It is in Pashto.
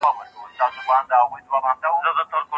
ډيپلوماسي د تاریخ په اوږدو کې مهمه وه.